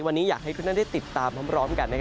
วันนี้อยากให้ทุกท่านได้ติดตามพร้อมกัน